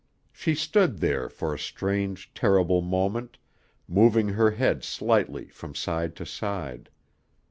She stood there for a strange, terrible moment, moving her head slightly from side to side.